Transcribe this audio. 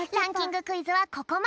クイズはここまで！